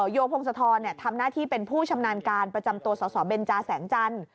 โยพงศธรทำหน้าที่เป็นผู้ชำนาญการประจำตัวสสเบนจาแสงจันทร์